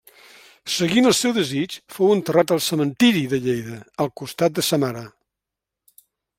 Seguint el seu desig, fou enterrat al Cementiri de Lleida, al costat de sa mare.